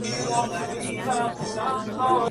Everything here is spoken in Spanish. Su primer presidente fue Enrico Mattei.